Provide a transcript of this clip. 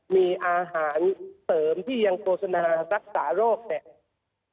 มีอาหารเสริมที่ยังโฆษณารักษาโรคเนี่ย